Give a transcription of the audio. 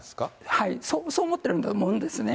はい、そう思ってるんだと思うんですね。